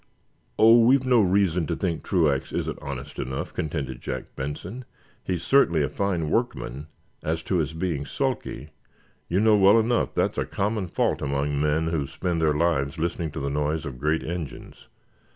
"Oh, we've no reason to think Truax isn't honest enough," contended Jack Benson. "He's certainly a fine workman. As to his being sulky, you know well enough that's a common fault among men who spend their lives listening to the noise of great engines.